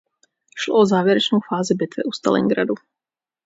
Šlo o závěrečnou fázi bitvy u Stalingradu.